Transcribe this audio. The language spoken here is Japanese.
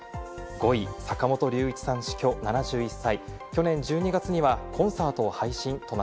１位、坂本龍一さん死去、７１歳。